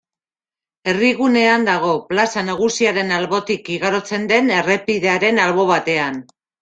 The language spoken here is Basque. Herrigunean dago, plaza nagusiaren albotik igarotzen den errepidearen albo batean.